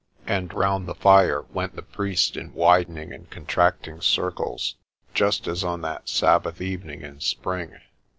And round the fire went the priest in widening and contracting circles, just as on that Sabbath evening in spring.